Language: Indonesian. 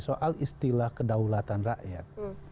soal istilah kedaulatan rakyat